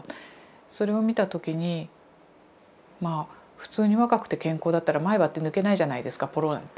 それを見た時にまあ普通に若くて健康だったら前歯って抜けないじゃないですかポロなんて。